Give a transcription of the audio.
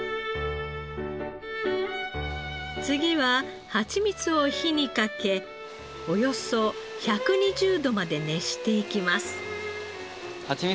次はハチミツを火にかけおよそ１２０度まで熱していきます。